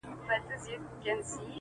معلم وویل که چیري داسي وسي -